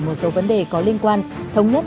một số vấn đề có liên quan thống nhất